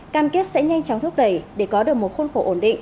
cam kết sẽ nhanh chóng thúc đẩy để có được một khuôn khổ ổn định